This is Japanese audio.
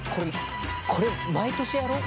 これ毎年やろう。